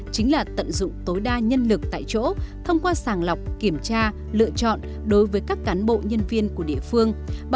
chính là tận dụng tối đa nhân lực tại chỗ thông qua sàng lọc kiểm tra lựa chọn đối với các cán bộ nhân viên của địa phương